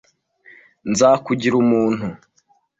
Nzakugira umuntu.